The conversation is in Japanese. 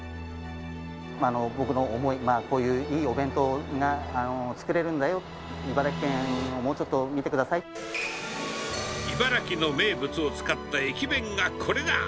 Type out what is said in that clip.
僕の思い、こういういいお弁当が作れるんだよ、茨城県をもうちょっと見てく茨城の名物を使った駅弁がこれだ！